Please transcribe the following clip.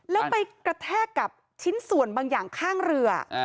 แล้วไปกระแทกกับชิ้นส่วนบางอย่างข้างเรือ